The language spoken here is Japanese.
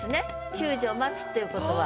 救助待つっていう事は。